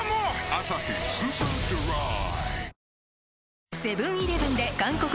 「アサヒスーパードライ」